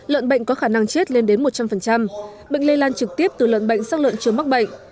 lợn bệnh có khả năng chết lên đến một trăm linh bệnh lây lan trực tiếp từ lợn bệnh sang lợn chưa mắc bệnh